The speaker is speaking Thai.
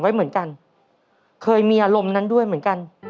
ไว้เหมือนกันเคยมีอารมณ์นั้นด้วยเหมือนกัน